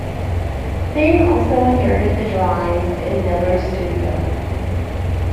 Byng also inherited the drawings in Kneller's studio.